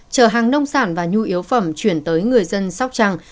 chở hàng nông sản và nhu yếu phẩm chuyển tới người dân sóc trăng